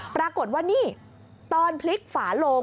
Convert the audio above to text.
ปรากฏว่านี่ตอนพลิกฝาโลง